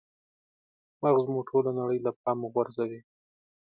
مغز مو ټوله نړۍ له پامه غورځوي.